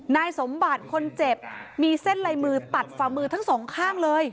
นายสมบัติคนเจ็บมีเส้นลายมือตัดฝ่ามือทั้งสองข้างเลย